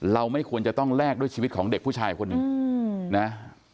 เราไม่ควรจะต้องแลกด้วยชีวิตของเด็กผู้ชายคนหนึ่งนะ